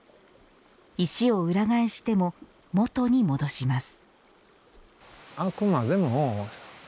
石を裏返しても、もとに戻します。